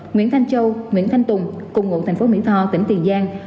nguyễn thanh châu nguyễn thanh tùng cùng ngụ thành phố mỹ tho tỉnh tiền giang